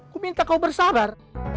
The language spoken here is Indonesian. ku minta kau bersabar